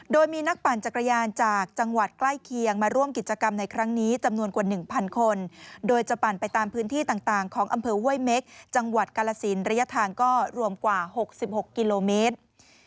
โดยมีนักปั่นจักรยานจากจังหวัดใกล้เคียงมาร่วมกิจกรรมในครั้งนี้จำนวนกว่า๑๐๐คนโดยจะปั่นไปตามพื้นที่ต่างของอำเภอห้วยเม็กจังหวัดกาลสินระยะทางก็รวมกว่า๖๖กิโลเมตร